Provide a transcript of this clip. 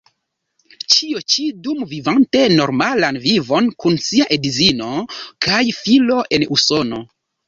Ĉio ĉi dum vivante normalan vivon kun sia edzino kaj filo en Usono.